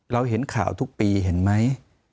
เห็นข่าวทุกปีเห็นไหม